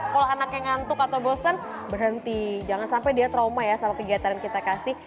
kalau anaknya ngantuk atau bosan berhenti jangan sampai dia trauma ya sama kegiatan yang kita kasih